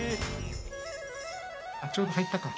ちょうど入ったか。